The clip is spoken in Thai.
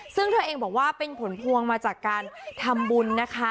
ซึ่งเธอเองบอกว่าเป็นผลพวงมาจากการทำบุญนะคะ